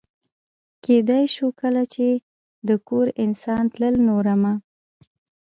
کېدای شو کله چې د کور انسان تلل، نو رمه.